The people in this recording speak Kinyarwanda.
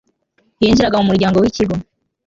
yinjiraga mumuryango wikigo